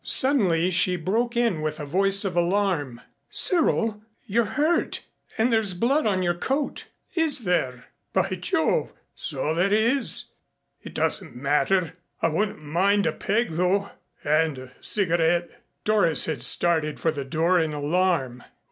Suddenly she broke in with a voice of alarm. "Cyril you're hurt and there's blood on your coat " "Is there? By Jove, so there is it doesn't matter. I wouldn't mind a peg though and a cigarette." Doris had started for the door in alarm.